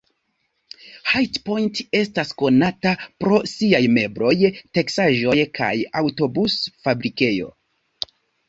High Point estas konata pro siaj mebloj, teksaĵoj, kaj aŭtobus-fabrikejo.